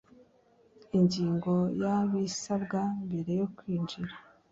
Ingingo ya ibisabwa mbere yo kwinjira